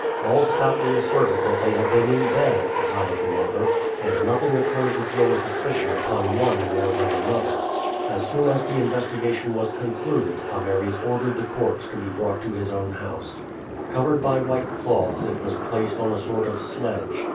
All stoutly asserted that they had been in bed at the time of the murder, and nothing occurred to throw a suspicion upon one more than another. As soon as the investigation was concluded Ameres ordered the corpse to be brought to his own house. [Illustration: C. of B. AMENSE AND MYSA BEWAIL THE DEATH OF NECO. Page 175.] Covered by white cloths it was placed on a sort of sledge.